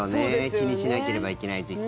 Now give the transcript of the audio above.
気にしなければいけない時期。